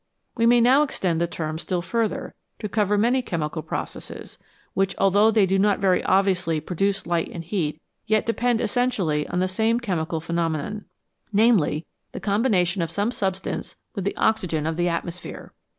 We may now extend the term still further to cover many chemical processes, which, although they do not very obviously produce light and heat, yet depend essentially on the same chemical phenomenon, namely, the combination of some substance with the oxygen of the atmosphere.